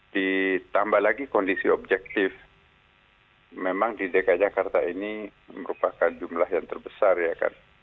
ditambah lagi kondisi objektif memang di dki jakarta ini merupakan jumlah yang terbesar ya kan